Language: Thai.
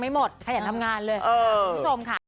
ขอตังค์ด้วย